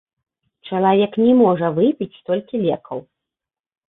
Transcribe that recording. Чалавек не можа выпіць столькі лекаў.